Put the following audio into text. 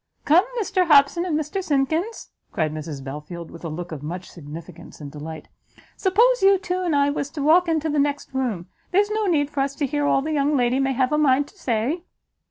"Come, Mr Hobson and Mr Simkins," cried Mrs Belfield, with a look of much significance and delight, "suppose you two and I was to walk into the next room? There's no need for us to hear all the young lady may have a mind to say."